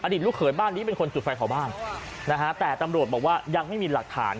อดิษฐ์ลูกเคยบ้านนี้เป็นคนจุดไฟของบ้านแต่ตำรวจบอกว่ายังไม่มีหลักฐาน